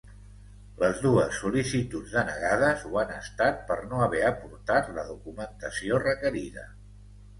Les dues sol·licituds denegades ho han estat per no haver aportat la documentació requerida.